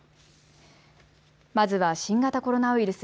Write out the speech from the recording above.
まずは新型コロナウイルス。